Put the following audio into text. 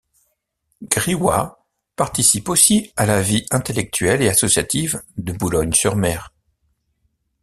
Griois participe aussi à la vie intellectuelle et associative de Boulogne-sur-Mer.